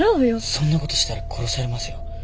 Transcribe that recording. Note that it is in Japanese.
そんなことしたら殺されますよ。